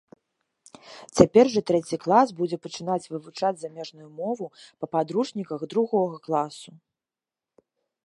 Цяпер жа трэці клас будзе пачынаць вывучаць замежную мову па падручніках другога класу.